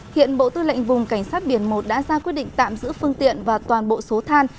hiện bộ tư lệnh vùng cảnh sát biển một đã ra quyết định tạm giữ phương tiện và toàn bộ số than